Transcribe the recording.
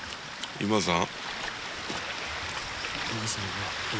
今田さん。